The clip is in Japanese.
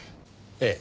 ええ。